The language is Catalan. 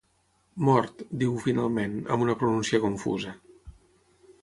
Mort –diu finalment, amb una pronúncia confusa–.